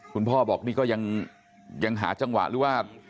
คุณพ่อบอกนี่ก็ยังหาจังหวะหรือว่า